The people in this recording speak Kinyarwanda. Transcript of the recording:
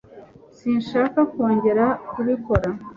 Sinshaka kongera kubikora